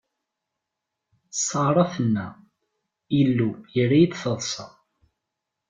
Ṣara tenna: Illu yerra-yi d taḍṣa.